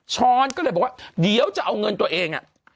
ช้อนก็เลยบอกว่าเดี๋ยวจะเอาเงินตัวเอง